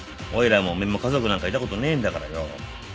おいらもおめえも家族なんかいたことねえんだからよ。